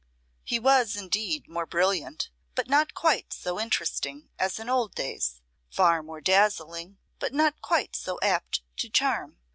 He was indeed more brilliant, but not quite so interesting as in old days; far more dazzling, but not quite so apt to charm.